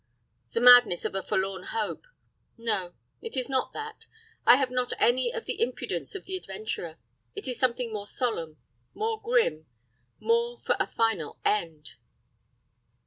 "The madness of a forlorn hope. No, it is not that. I have not any of the impudence of the adventurer. It is something more solemn, more grim, more for a final end."